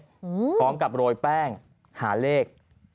พร้อมกับโรยแป้งหาเลข